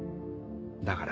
だから。